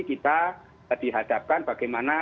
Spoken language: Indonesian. kita dihadapkan bagaimana